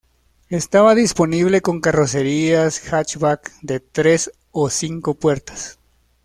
Estaba disponible con carrocerías hatchback de tres o cinco puertas.